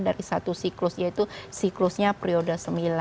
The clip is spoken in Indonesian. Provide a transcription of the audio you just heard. dari satu siklus yaitu siklusnya periode sembilan